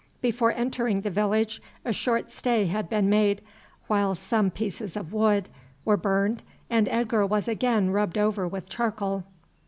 Before entering the village a short stay had been made, while some pieces of wood were burned, and Edgar was again rubbed over with charcoal.